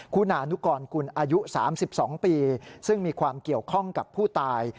คุณานุกรกุลอายุ๓๒ปีซึ่งมีความเกี่ยวข้องกับผู้ตาย